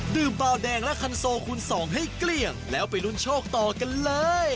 เบาแดงและคันโซคูณสองให้เกลี้ยงแล้วไปลุ้นโชคต่อกันเลย